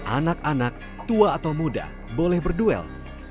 anak anak tua atau muda boleh berduel